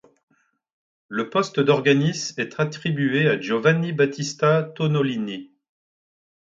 Le poste d'organiste est attribué à Giovanni Battista Tonnolini.